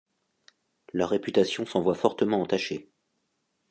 Leur réputation s'en voit fortement entachée.